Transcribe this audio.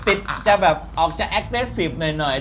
อาจจะแบบออกจากแอคเดสซิฟหน่อย